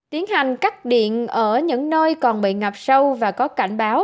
tiến hành cắt điện ở những nơi còn bị ngập sâu và có cảnh báo